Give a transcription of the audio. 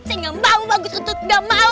sehingga mbakmu bagus untuk udah mau